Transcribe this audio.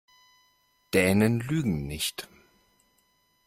Dänen lügen nicht.